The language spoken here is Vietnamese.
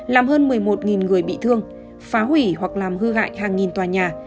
làm hơn một mươi một người bị thương phá hủy hoặc làm hư hại hàng nghìn tòa nhà